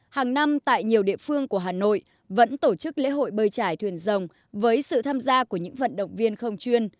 hàng năm tại nhiều địa phương của hà nội vẫn tổ chức lễ hội bơi trải thuyền rồng với sự tham gia của những vận động viên không chuyên